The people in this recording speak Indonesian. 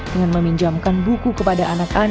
dengan meminjaukan warga yang diberikan